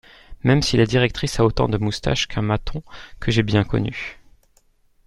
même si la directrice a autant de moustache qu’un maton que j’ai bien connu.